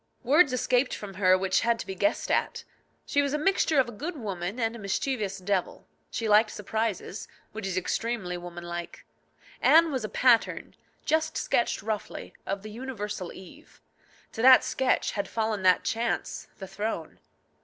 Words escaped from her which had to be guessed at. She was a mixture of a good woman and a mischievous devil. She liked surprises, which is extremely woman like. Anne was a pattern just sketched roughly of the universal Eve. To that sketch had fallen that chance, the throne.